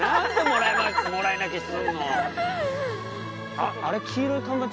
あっ！